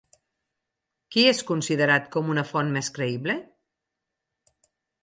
Qui és considerat com una font més creïble?